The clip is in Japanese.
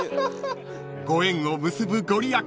［ご縁を結ぶ御利益